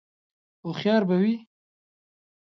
_هوښيار به وي؟